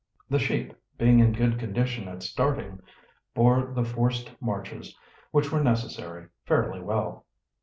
The sheep, being in good condition at starting, bore the forced marches, which were necessary, fairly well.